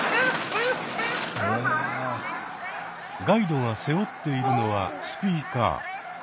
ガイドが背負っているのはスピーカー。